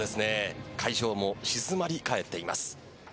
会場も静まり返っています。